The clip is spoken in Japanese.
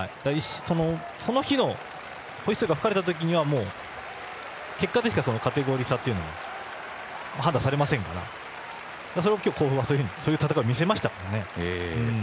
その日のホイッスルが吹かれた時にはもう結果的にカテゴリー差というのは判断されませんから甲府は今日そういう戦いを見せましたからね。